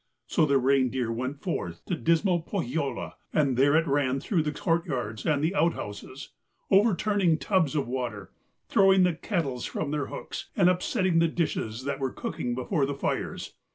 So the reindeer went forth to dismal Pohjola, and there it ran through the courtyards and the outhouses, overturning tubs of water, throwing the kettles from their hooks, and upsetting the dishes that were cooking before the fires.